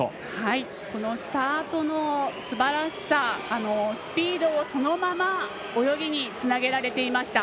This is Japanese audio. スタートのすばらしさスピードをそのまま泳ぎにつなげられていました。